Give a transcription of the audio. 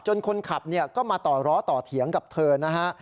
จนคนขับก็มาต่อร้อต่อเถียงกับเธอนะฮะ